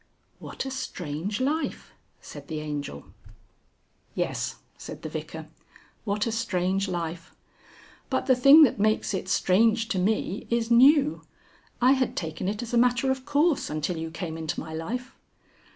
"What a strange life!" said the Angel. "Yes," said the Vicar. "What a strange life! But the thing that makes it strange to me is new. I had taken it as a matter of course until you came into my life."